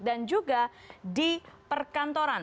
dan juga di perkantoran